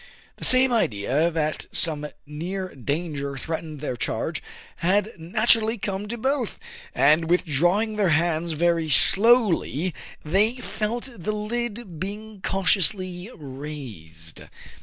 The same idea that some near danger threatened their charge had naturally come to both ; and, withdrawing their hands very slowly, they felt the lid being cautiously raised.